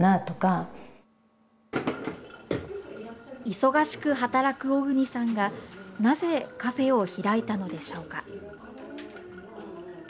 忙しく働く小國さんがなぜカフェを開いたのでしょうか。